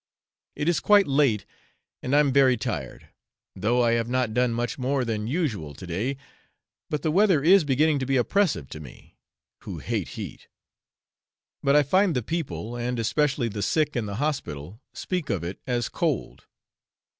It is quite late, and I am very tired, though I have not done much more than usual to day, but the weather is beginning to be oppressive to me, who hate heat; but I find the people, and especially the sick in the hospital, speak of it as cold.